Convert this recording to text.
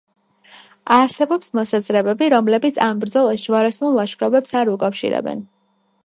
არსებობს მოსაზრებები, რომლებიც ამ ბრძოლას ჯვაროსნულ ლაშქრობებს არ უკავშირებენ.